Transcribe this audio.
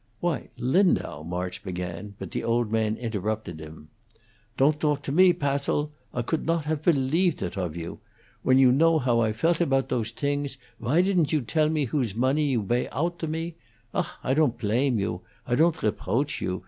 "Why, Lindau," March began, but the old man interrupted him. "Ton't dalk to me, Passil! I could not haf believedt it of you. When you know how I feel about dose tings, why tidn't you dell me whose mawney you bay oudt to me? Ach, I ton't plame you I ton't rebroach you.